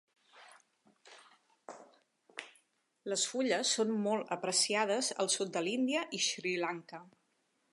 Les fulles són molt apreciades al sud de l'Índia i Sri Lanka.